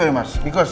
terima kasih banyak